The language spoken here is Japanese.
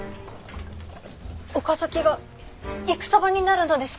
岡崎が戦場になるのですか？